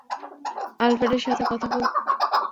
আলফ্রেডের সাথে কথা বলবো!